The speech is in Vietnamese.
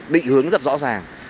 định hướng rất rõ ràng